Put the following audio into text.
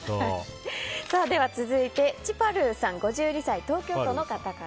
続いて５２歳、東京都の方。